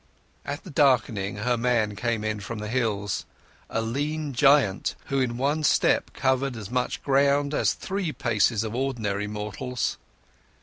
At the darkening her man came in from the hills, a lean giant, who in one step covered as much ground as three paces of ordinary mortals.